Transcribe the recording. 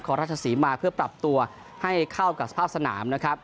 ขอรัชศาสีมาเพื่อปรับตัวให้เข้ากับสภาพสนาม